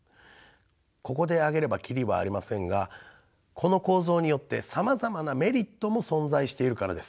ここで挙げれば切りはありませんがこの構造によってさまざまなメリットも存在しているからです。